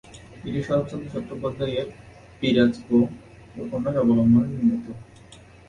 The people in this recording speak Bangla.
এটি শরৎচন্দ্র চট্টোপাধ্যায়ের "বিরাজ বৌ" উপন্যাস অবলম্বনে নির্মিত।